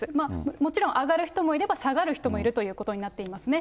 もちろん上がる人もいれば、下がる人もいるということになっていますね。